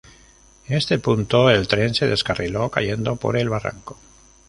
En este punto el tren se descarriló, cayendo por el barranco.